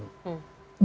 dia mau memimpin